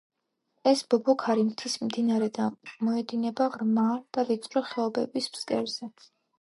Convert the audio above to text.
ეს ბობოქარი მთის მდინარე და მოედინება ღრმა და ვიწრო ხეობების ფსკერზე.